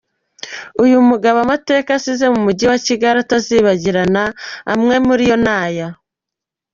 Uyu mugabo asize amateka mu mujyi wa Kigali atazibagirana amwe muri ayo ni aya: